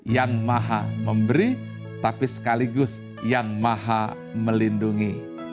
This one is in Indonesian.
yang maha memberi tapi sekaligus yang maha melindungi